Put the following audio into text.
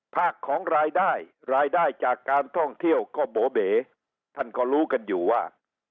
ภาคของรายได้รายได้จากการท่องเที่ยวก็โบเบ๋ท่านก็รู้กันอยู่ว่า